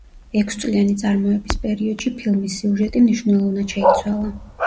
ექვსწლიანი წარმოების პერიოდში ფილმის სიუჟეტი მნიშვნელოვნად შეიცვალა.